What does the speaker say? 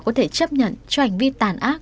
có thể chấp nhận cho hành vi tàn ác